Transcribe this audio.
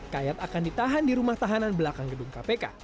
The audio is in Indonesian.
kayat akan ditahan di rumah tahanan belakang gedung kpk